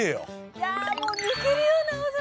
いやもう抜けるような青空。